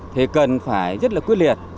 thì cần phải rất quyết liệt